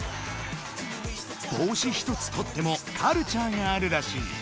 ぼうし一つとってもカルチャーがあるらしい。